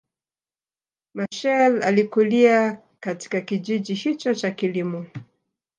Machel alikulia katika kijiji hicho cha kilimo